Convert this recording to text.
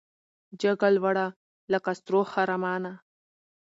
جګه لوړه لکه سرو خرامانه